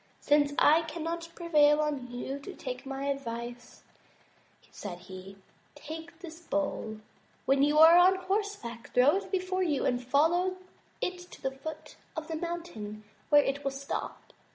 "Since I cannot prevail on you to take my advice," said he, "take this bowl. When you are on horse back throw it before you, and follow it to the foot of a mountain, where it will stop.